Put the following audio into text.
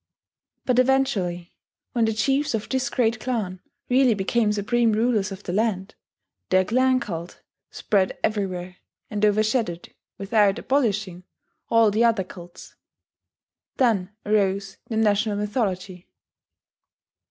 But eventually, when the chiefs of this great clan really became supreme rulers of the land, their clan cult spread everywhere, and overshadowed, without abolishing, all the other cults. Then arose the national mythology.